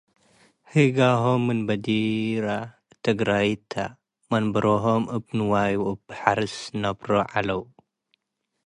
ሂጋሆም ምን በዲረ ትግረይት ተጽ መንበሮሆም እብ ንዋይ ወእብ ሐርስ ነብሮ ዐለው ።